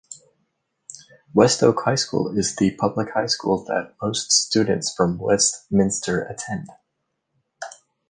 West-Oak High School is the public high school that most students from Westminster attend.